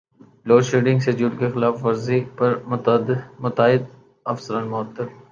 load shedding schedule کی خلاف ورزی پر متعدد افسران معطل